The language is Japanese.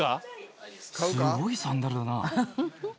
すごいサンダルだな。